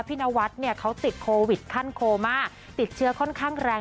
นวัดเนี่ยเขาติดโควิดขั้นโคม่าติดเชื้อค่อนข้างแรง